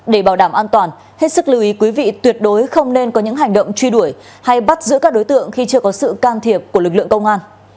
để bảo đảm an toàn hết sức lưu ý quý vị tuyệt đối không nên có những hành động truy đuổi hay bắt giữ các đối tượng khi chưa có sự can thiệp của lực lượng công an